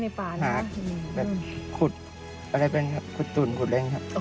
หาแบบขุดอะไรเป็นครับขุดตุนขุดอะไรอย่างนี้ครับ